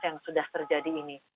yang sudah terjadi ini